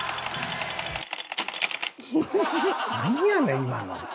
なんやねん今の。